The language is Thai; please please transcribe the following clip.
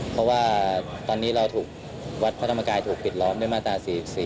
เพราะว่าตอนนี้เราถูกวัดพระธรรมกายถูกปิดล้อมด้วยมาตรา๔๔